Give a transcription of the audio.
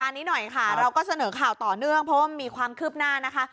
อันนี้หน่อยค่ะเราก็เสนอข่าวต่อเนื่องเพราะว่ามีความคืบหน้านะคะ